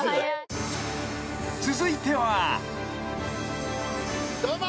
［続いては］どうも。